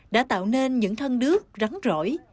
đã tạo nên những thân đứt rắn rỗi